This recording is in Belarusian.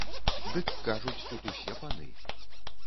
Дык кажуць, тут усе паны.